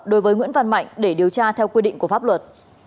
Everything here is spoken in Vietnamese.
đối với nguyễn văn mạnh để điều tra theo quy định của pháp luật